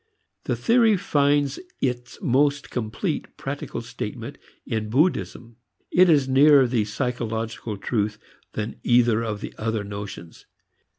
The theory finds its most complete practical statement in Buddhism. It is nearer the psychological truth than either of the other notions.